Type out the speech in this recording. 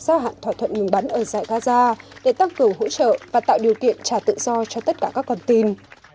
gia hạn thỏa thuận ngừng bắn ở giải gaza để tăng cường hỗ trợ và tạo điều kiện trả tự do cho tất cả các con tin